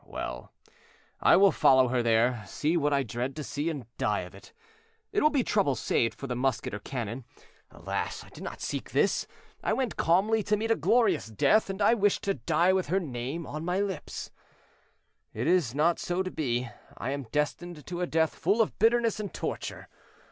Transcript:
Well, I will follow her there, see what I dread to see, and die of it; it will be trouble saved for the musket or cannon. Alas! I did not seek this; I went calmly to meet a glorious death, and I wished to die with her name on my lips. It is not so to be; I am destined to a death full of bitterness and torture.